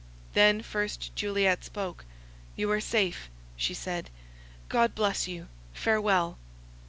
Then first Juliet spoke:—"You are safe," she said, "God bless you!— farewell!"